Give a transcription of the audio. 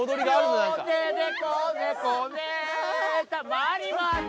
回ります。